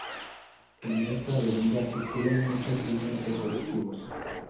En esta avenida circulan muchas líneas de colectivos.